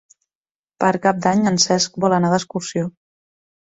Per Cap d'Any en Cesc vol anar d'excursió.